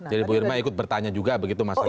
jadi bu irma ikut bertanya juga begitu masalahnya